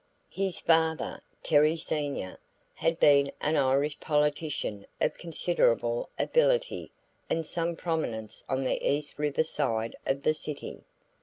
His father, Terry Senior, had been an Irish politician of considerable ability and some prominence on the East River side of the city.